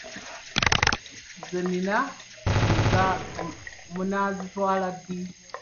Ze nnina munaazitwala ddi?